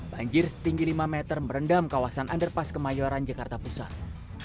banjir setinggi lima meter merendam kawasan underpass kemayoran jakarta pusat